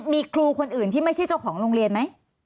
มีครูคนอื่นที่ไม่ใช่เจ้าของโรงเรียนไหม